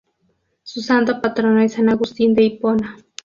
Su santo patrono es san Agustín de Hipona.